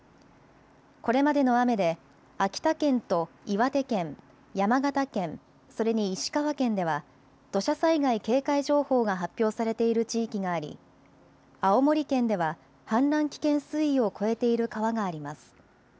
これまでの雨で秋田県と岩手県、山形県、それに石川県では土砂災害警戒情報が発表されている地域があり青森県では氾濫危険水位を超えている川があります。